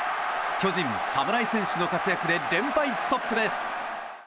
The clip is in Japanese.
巨人、侍戦士の活躍で連敗ストップです。